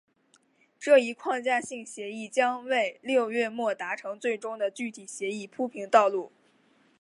这一框架性协议将为六月末达成最终的具体协议铺平道路。